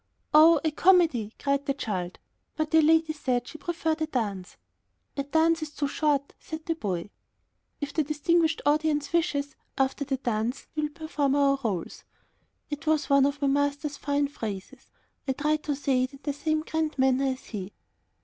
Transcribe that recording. "Oh, a comedy," cried the child. But the lady said she preferred a dance. "A dance is too short," said the boy. "If the 'distinguished audience' wishes, after the dance, we will perform our different rôles." This was one of my master's fine phrases. I tried to say it in the same grand manner as he.